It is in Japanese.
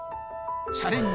チャレンジ